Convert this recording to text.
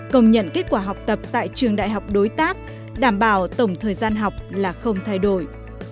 công nhận kết quả học tập tại trường đại học đối tác đảm bảo tổng thời gian học là không thay đổi